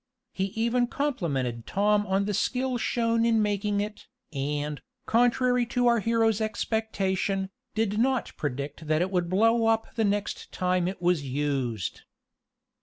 He even complimented Tom on the skill shown in making it, and, contrary to our hero's expectation, did not predict that it would blow up the next time it was used.